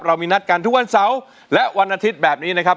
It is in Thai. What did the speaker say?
มีนัดกันทุกวันเสาร์และวันอาทิตย์แบบนี้นะครับ